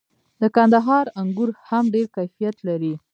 د کندهار انګور هم ډیر کیفیت لري.